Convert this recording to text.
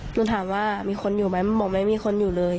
หนูถามว่ามีคนอยู่ไหมบอกไหมมีคนอยู่เลย